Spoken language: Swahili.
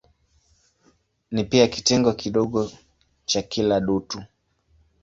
Ni pia kitengo kidogo cha kila dutu.